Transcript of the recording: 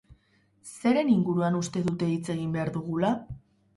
Zeren inguruan uste dute hitz egin behar dugula?